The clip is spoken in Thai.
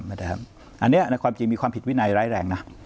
อันนี้ในความจริงมีความผิดวินัยร้ายแรงนะ